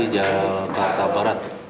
jalanan dan pabrik